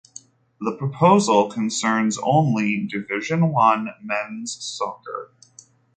The proposal concerns only Division One men's soccer.